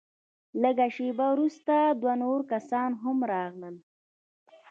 لږه شېبه وروسته دوه نور کسان هم راغلل.